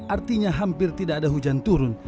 artinya hampir tidak ada hujan turun